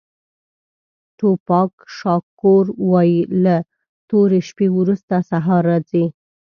ټوپاک شاکور وایي له تورې شپې وروسته سهار راځي.